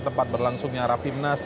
tempat berlangsungnya rapimnas